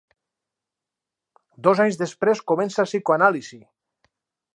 Dos anys després comença psicoanàlisi.